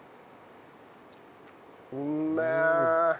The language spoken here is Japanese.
うめえ！